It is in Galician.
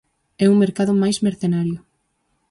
É un mercado máis mercenario.